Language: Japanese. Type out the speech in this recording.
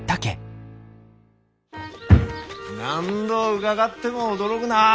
何度伺っても驚ぐなあ。